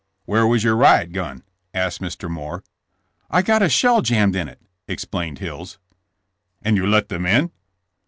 "Where was your riot gun?" asked Mr. Moore. "I got a shell jammed in it," explained Hills. "And you let them in?"